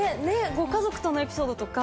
ご家族とのエピソードとか。